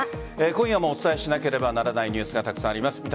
今夜もお伝えしなければならないニュースがたくさんあります。